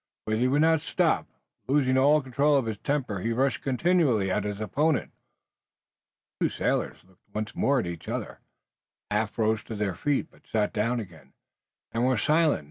But he would not stop. Losing all control of his temper he rushed continually at his opponent. The two sailors looked once more at each other, half rose to their feet, but sat down again, and were silent.